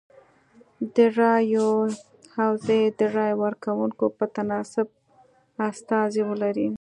د رایو حوزې د رای ورکوونکو په تناسب استازي ولري.